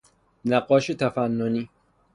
نقاش تفننی